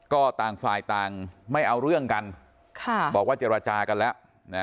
ก็ต่างฝ่ายต่างไม่เอาเรื่องกันบอกว่าเจรจากันแล้ว